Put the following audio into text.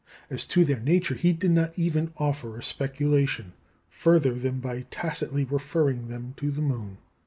As to their nature, he did not even offer a speculation, further than by tacitly referring them to the moon.